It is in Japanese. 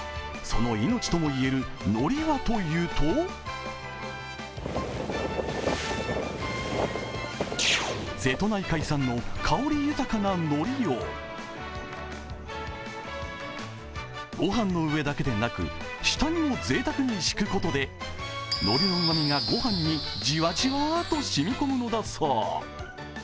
その命ともいえるのりはというと瀬戸内海産の香り豊かなのりを御飯の上だけでなく、下にもぜいたくに敷くことでのりのうまみが御飯にジワジワと染み込むのだそう。